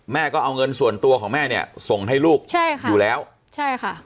แม่ก็เอาเงินส่วนตัวของแม่เนี่ยส่งให้ลูกใช่ค่ะอยู่แล้วใช่ค่ะ